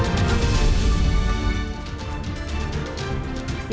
kami di layar pemilu tepercaya